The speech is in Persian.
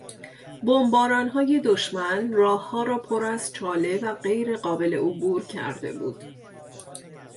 بمبارانهای دشمن راهها را پر از چاله و غیرقابل عبور کرده بود.